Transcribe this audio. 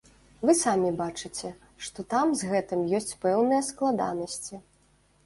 Вы самі бачыце, што там з гэтым ёсць пэўныя складанасці.